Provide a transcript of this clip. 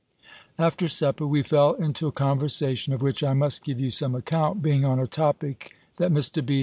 After supper, we fell into a conversation, of which I must give you some account, being on a topic that Mr. B.